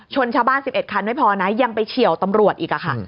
ชาวบ้าน๑๑คันไม่พอนะยังไปเฉียวตำรวจอีกค่ะ